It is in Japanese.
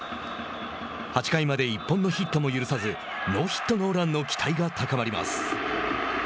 ８回まで１本のヒットも許さずノーヒットノーランの期待が高まります。